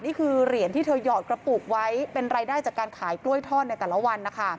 นี่คือเหรียญที่เธอหยอดกระปุกไว้เป็นรายได้จากการขายกล้วยทอดในแต่ละวันนะคะ